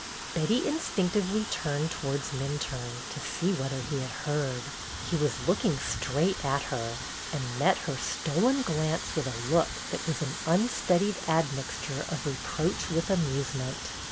Betty instinctively turned towards Min turne, to see whether he had heard. He was looking straight at her, and met her stolen glance with a look that was an unstudied admixture of reproach with amusement.